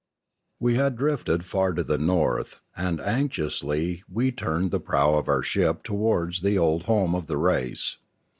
We had drifted far to the north, and anxiously we turned the prow of our airship towards the old home of the race.